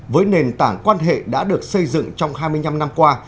với nền tảng quan hệ đã được xây dựng trong hai mươi năm năm qua